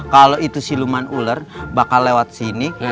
kalau itu siluman ular bakal lewat sini